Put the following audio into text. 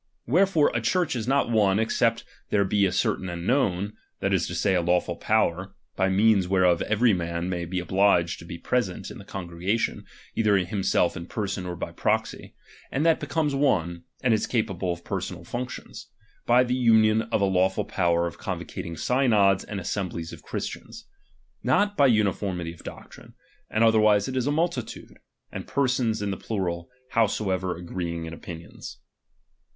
Wherefore a Church is not one, except there be a certain and known, that is to say, a lawful power, by means whereof every man may be obliged to be present in the congregation, either himself in person, or by proxy ; and that becomes one, and is capable of personal functions, by the union of a lawful power of convocating synods and assemblies of Christians ; not by uuiformity of doc trine ; and otherwise it is a multitude, and persons in the plural, howsoever agreeing in opinions.